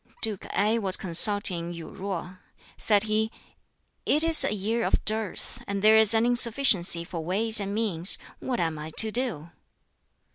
Duke Ngai was consulting Yu Joh. Said he, "It is a year of dearth, and there is an insufficiency for Ways and Means what am I to do?"